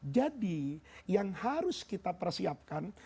jadi yang harus kita persiapkan